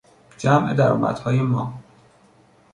جمع درآمدهای ما